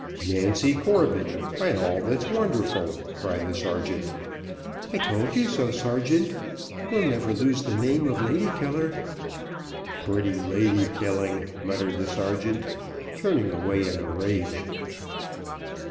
"Nancy Corbett, by all that's wonderful!" cried the sergeant. "I told you so, sergeant you'll never lose the name of lady killer." "Pretty lady killing," muttered the sergeant, turning away in a rage.